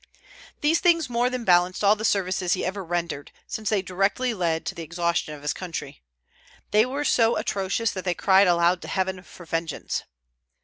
These things more than balanced all the services he ever rendered, since they directly led to the exhaustion of his country. They were so atrocious that they cried aloud to Heaven for vengeance.